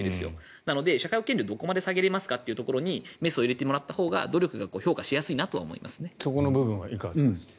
なので社会保険料をどこまで下げれますかというところにメスを入れたもらったほうが努力が評価しやすいなとそこはどうですか？